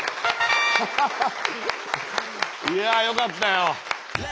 いやよかったよ。